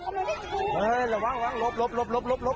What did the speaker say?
ระวังระวังลบลบลบ